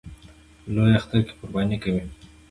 په لوی اختر کې قرباني کوي